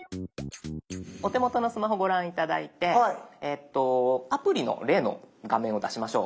お手元のスマホご覧頂いてアプリの例の画面を出しましょう。